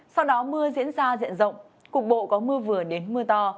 sau đó mưa diễn ra diện rộng cục bộ có mưa vừa đến mưa to